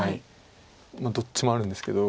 まあどっちもあるんですけど。